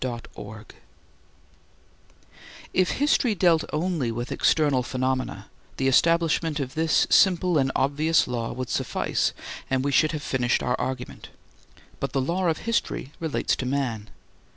CHAPTER VIII If history dealt only with external phenomena, the establishment of this simple and obvious law would suffice and we should have finished our argument. But the law of history relates to man.